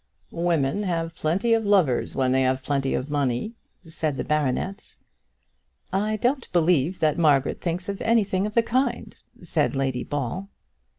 "Women have plenty of lovers when they have plenty of money," said the baronet. "I don't believe that Margaret thinks of anything of the kind," said Lady Ball.